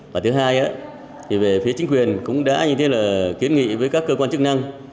và thứ hai thì về phía chính quyền cũng đã như thế là kiến nghị với các cơ quan chức năng